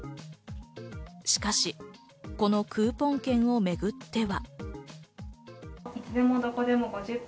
しかしこのクーポン券をめぐっては。